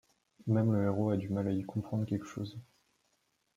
Même le héros a du mal à y comprendre quelque chose.